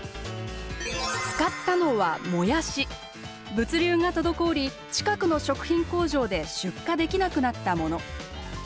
物流が滞り近くの食品工場で出荷できなくなったもの。